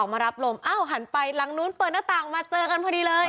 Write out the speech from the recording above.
มารับลมอ้าวหันไปหลังนู้นเปิดหน้าต่างมาเจอกันพอดีเลย